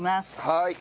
はい！